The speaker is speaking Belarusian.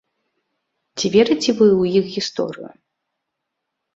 Ці верыце вы ў іх гісторыю?